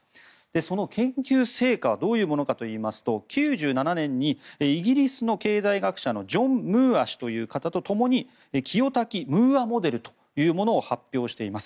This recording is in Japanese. その研究成果はどういうものかといいますと９７年にイギリスの経済学者のジョン・ムーア氏とともに清滝・ムーアモデルというものを発表しています。